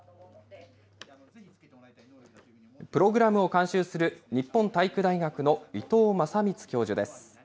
プログラムを監修する日本体育大学の伊藤雅充教授です。